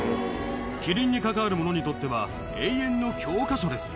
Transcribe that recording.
キリンに関わる者にとっては、永遠の教科書です。